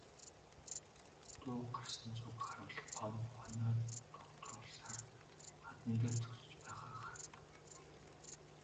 Дуу гарсан зүг харвал Гомбо хонио дугтруулсаар хадан дээр зогсож байгаа харагдав.